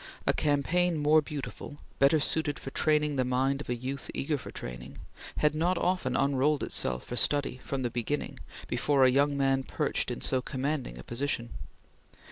A campaign more beautiful better suited for training the mind of a youth eager for training has not often unrolled itself for study, from the beginning, before a young man perched in so commanding a position.